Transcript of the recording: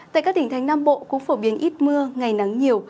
tại các tỉnh thánh nam bộ cũng phổ biến ít mưa ngày nắng nhiều